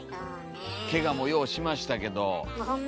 けがもようしましたけど。